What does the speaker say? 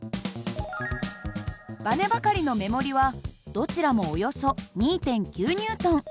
ばねばかりの目盛りはどちらもおよそ２．９Ｎ。